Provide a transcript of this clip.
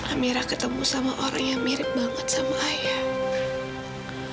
amirah ketemu sama orang yang mirip banget sama ayah